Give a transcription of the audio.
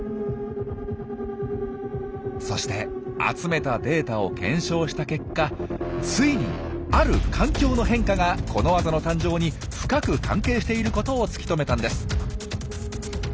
そして集めたデータを検証した結果ついにある環境の変化がこのワザの誕生に深く関係していることを突き止めたんです。